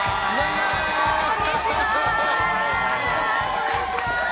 こんにちは！